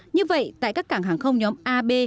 như vậy tại các cảng hàng không nhóm a b